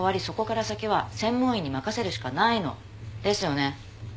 そこから先は専門医に任せるしかないの。ですよね？